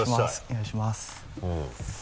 お願いします。